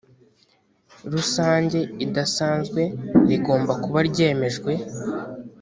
rusange idasanzwe rigomba kuba ryemejwe